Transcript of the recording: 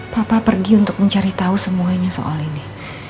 papa pergi untuk mencari tahu semuanya soal ini